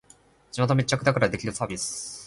地元密着だからできるサービス